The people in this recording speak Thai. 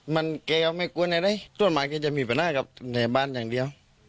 มันแกไม่กลัวไหนต้นไม้แกจะมีปัญหากับในบ้านอย่างเดียว